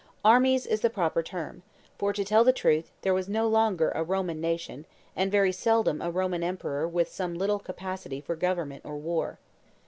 Armies is the proper term; for, to tell the truth, there was no longer a Roman nation, and very seldom a Roman emperor with some little capacity for government or war.